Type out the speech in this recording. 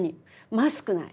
マスクない。